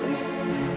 bang vi j motiv